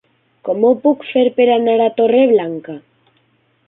Com ho puc fer per anar a Torreblanca?